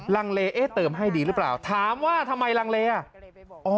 ลังเลเอ๊เติมให้ดีหรือเปล่าถามว่าทำไมลังเลอ่ะ